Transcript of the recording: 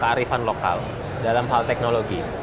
kearifan lokal dalam hal teknologi